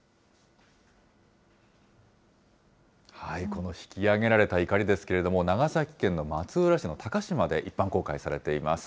この引き揚げられたいかりですけれども、長崎県の松浦市の鷹島で一般公開されています。